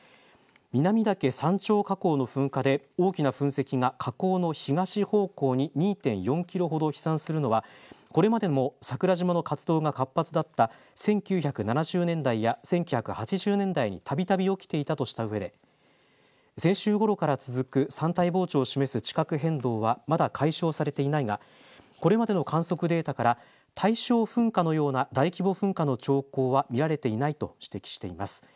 南岳山頂火口の噴火で大きな噴石が火口の東方向に２．４キロほど飛散するのはこれまでも桜島の活動が活発だった１９７０年代や１９８０年代にたびたび起きていたとしたうえで先週ごろから続く、山体膨張を示す地殻変動はまだ解消されていないが、これまでの観測データから大正噴火のような大規模噴火の兆候は見られていないと指摘しています。